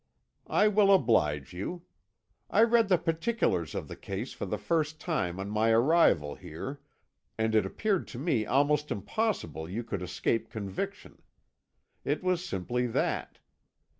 "I will oblige you. I read the particulars of the case for the first time on my arrival here, and it appeared to me almost impossible you could escape conviction. It was simply that.